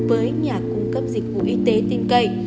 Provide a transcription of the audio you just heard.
với nhà cung cấp dịch vụ y tế tình cây